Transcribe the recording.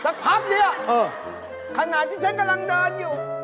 สักพันธ์เดี๋ยวขนาดที่ฉันกำลังเดินอยู่